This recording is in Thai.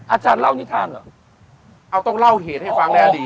อาจารย์เล่านิทานเหรอเอาต้องเล่าเหตุให้ฟังในอดีต